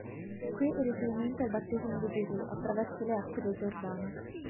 Qui il riferimento è al "Battesimo di Gesù" attraverso le acque del Giordano.